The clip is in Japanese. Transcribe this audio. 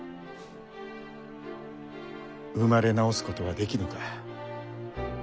「生まれ直すことはできぬ」か。